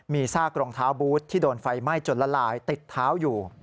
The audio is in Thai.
มีซากรองเท้าบูธที่โดนไฟไหม้จนละลายติดเท้าอยู่